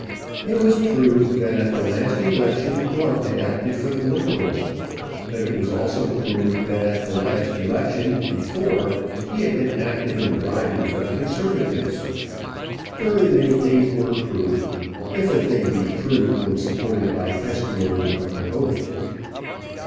It was proved that at the last election Glump had acted for the Liberals; but it was also proved that at the election before he had been active in bribing for the Conservatives. Very many things were proved, if a thing be proved when supported by testimony on oath.